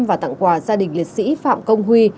và tặng quà gia đình liệt sĩ phạm công huy